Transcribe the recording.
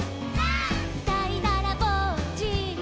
「」「だいだらぼっち」「」